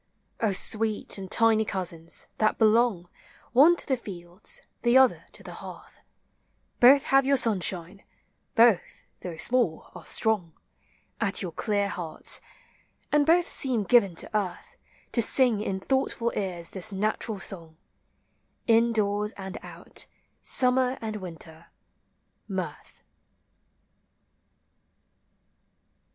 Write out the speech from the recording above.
O sweet and tiny cousins, that belong, One to the fields, the other to the hearth, Both have your sunshine; both, though small, are strong At your clear hearts ; and both seem given to earth To sing in thoughtful ears this natural song, — In doors and out, summer and winter, mirth.